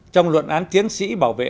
trong luận án tiến sĩ bảo vệ